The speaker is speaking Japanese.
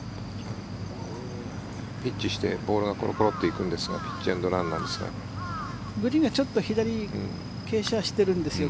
ピッチしてボールがコロコロと行くんですがピッチエンドランなんですが。